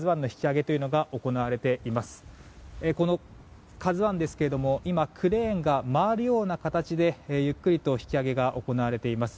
この「ＫＡＺＵ１」ですが今、クレーンが回るような形でゆっくりと引き揚げが行われています。